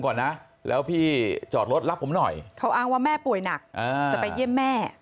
เขาอ้างว่าแม่ป่วยหนักจะไปเยี่ยมแม่